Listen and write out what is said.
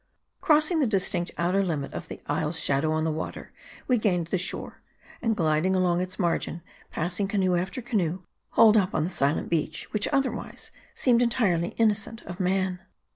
192 M A E D I. Crossing the distinct outer line of the isle's shadow on the water, we gained the shore ; arid gliding along its margin, passing canoe after canoe, hauled up on the silent beach, which otherwise seemed entirely innocent of man.